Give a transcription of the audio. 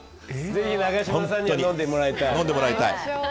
ぜひ永島さんにも飲んでもらいたい。